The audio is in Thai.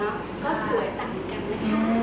เพราะว่าสวยต่างกันนะค่ะ